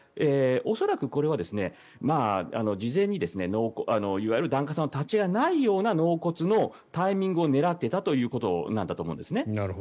恐らく、これは事前にいわゆる檀家さんの立ち会いがないような納骨のタイミングを狙っていたということなんだと思うんです。